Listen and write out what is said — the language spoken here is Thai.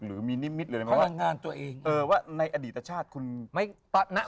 หรือมีนิมิตเลยไหมว่าในอดีตชาติคุณเคยเป็นใคร